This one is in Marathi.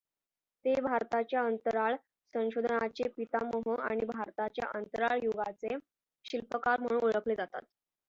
ते भारताच्या अंतराळ संशोधनाचे पितामह आणि भारताच्या अंतराळ युगाचे शिल्पकार म्हणून ओळखले जातात.